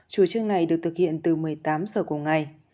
chủ trương này được thực hiện từ một mươi tám giờ cùng ngày